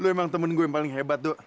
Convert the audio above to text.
lu emang temen gue yang paling hebat dok